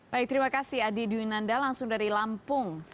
baik terima kasih adi dwinanda langsung dari lampung